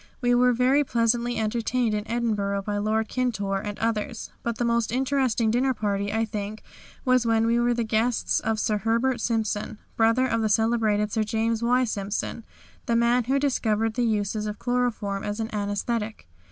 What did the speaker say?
We were very pleasantly entertained in Edinburgh by Lord Kintore and others, but the most interesting dinner party I think was when we were the guests of Sir Herbert Simpson, brother of the celebrated Sir James Y. Simpson, the man who discovered the uses of chloroform as an anæsthetic.